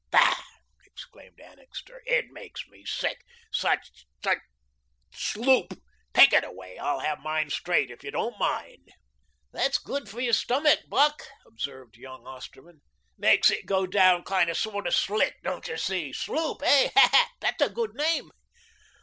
"Faugh!" exclaimed Annixter. "It makes me sick. Such such SLOOP. Take it away. I'll have mine straight, if you don't mind." "That's good for your stomach, Buck," observed young Osterman; "makes it go down kind of sort of slick; don't you see? Sloop, hey? That's a good name."